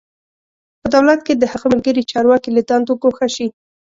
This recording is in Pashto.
په دولت کې د هغه ملګري چارواکي له دندو ګوښه شي.